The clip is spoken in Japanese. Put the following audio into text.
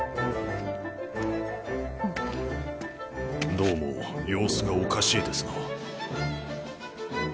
どうも様子がおかしいですな。